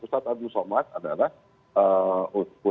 ustadz abdul somad adalah ulama ulama yang berada di singapura